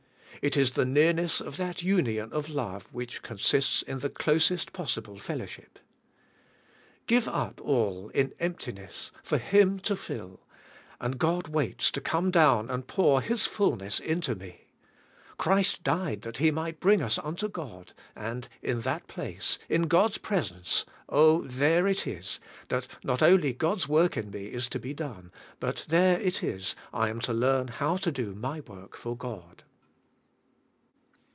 It is the nearness of that union of love which con sists in the closest possible fellowship. Give up* all in emptiness for Him to fill, and God waits to come down and pour His fullness into me. Christ died that He might bring us unto God, and in that place, in God's presence, oh, there it is, that not only God's work in me is to be done, but there it is I am to learn how to do my work for God.